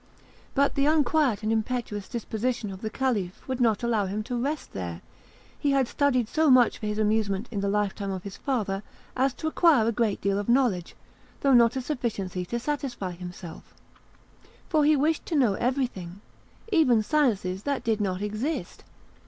But the unquiet and impetuous disposition of the Caliph would not allow him to rest there; he had studied so much for his amusement in the life time of his father as to acquire a great deal of knowledge, though not a sufficiency to satisfy himself; for he wished to know everything, even sciences that did not exist.